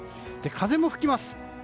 風も吹きます。